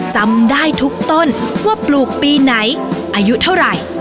จำได้ทุกต้นว่าปลูกปีไหนอายุเท่าไหร่